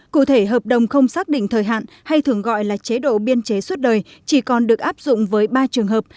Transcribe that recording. cụ thể hợp đồng không xác định thời hạn hay thường gọi là chế độ biên chế suốt đời chỉ còn được áp dụng với ba trường hợp